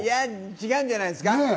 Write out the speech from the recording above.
違うんじゃないですか。